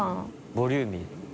ボリューミー。